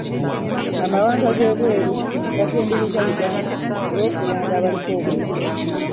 Amawanga g'ebweru gaatendereza Uganda olw'okuyamba abaliko obulemu.